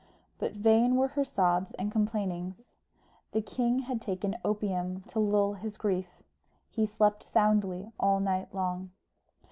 But vain were her sobs and complainings; the king had taken opium to lull his grief; he slept soundly all night long.